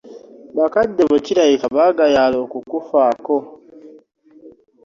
Bakadde bo kirabika baagayaala okukufaako.